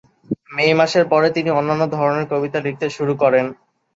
মে মাসের পরে তিনি অন্যান্য ধরনের কবিতা লিখতে শুরু করেন।